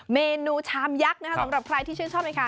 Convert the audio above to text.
เมนูชามยักษ์นะคะสำหรับใครที่ชื่นชอบในการ